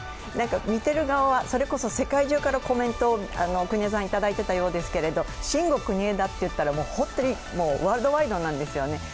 見てる側は、それこそ世界中からコメントをいただいていたようですけど、シンゴクニエダっていったら本当にワールドワイドなんですよね。